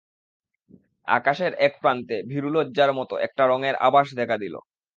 আকাশের একপ্রান্তে ভীরু লজ্জার মতো একটা রঙের আবাস দেখা দিল।